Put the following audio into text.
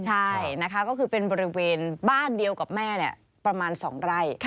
ใช่นะคะก็คือเป็นบริเวณบ้านเดียวกับแม่ประมาณ๒ไร่